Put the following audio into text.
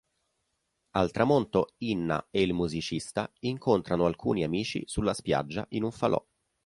Al tramonto, Inna e il musicista incontrano alcuni amici sulla spiaggia in un falò.